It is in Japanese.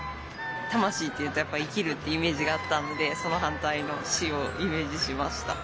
「たましい」というとやっぱり生きるってイメージがあったのでそのはんたいの「し」をイメージしました。